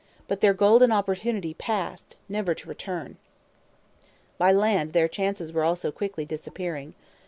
But their golden opportunity passed, never to return. By land their chances were also quickly disappearing.